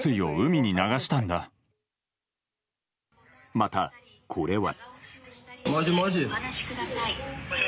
また、これは。